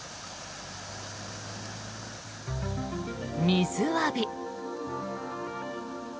水浴び。